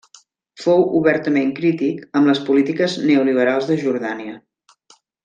Fou obertament crític amb les polítiques neoliberals de Jordània.